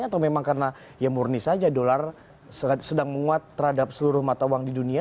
atau memang karena ya murni saja dolar sedang menguat terhadap seluruh mata uang di dunia